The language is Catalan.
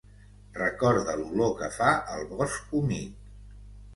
Recorda l'olor que fa el bosc humit.